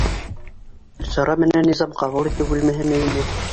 Гөлсара менән Низам ҡабул итеү бүлмәһенә инә.